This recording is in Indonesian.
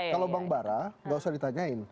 kalau bang bara nggak usah ditanyain